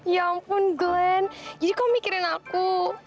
ya ampun glenn jadi kau mikirin aku